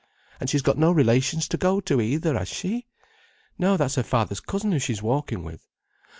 And she's got no relations to go to either, has she? No, that's her father's cousin who she's walking with.